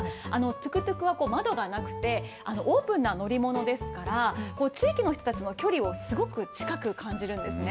トゥクトゥクは窓がなくて、オープンな乗り物ですから、地域の人たちの距離をすごく近く感じるんですね。